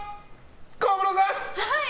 小室さん！